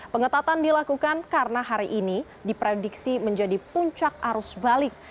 pengetatan dilakukan karena hari ini diprediksi menjadi puncak arus balik